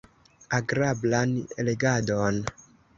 Agrablan legadon!